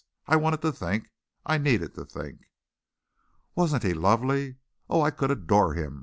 I wanted to think; I needed to think. "Wasn't he lovely? Oh, I could adore him!"